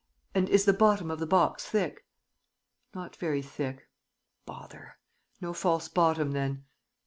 And is the bottom of the box thick? ... Not very thick. ... Bother! No false bottom, then?